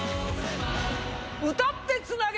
歌ってつなげ！